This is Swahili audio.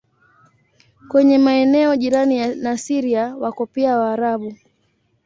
Kwenye maeneo jirani na Syria wako pia Waarabu.